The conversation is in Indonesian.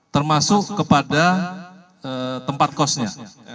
termasuk kepada tempat kosnya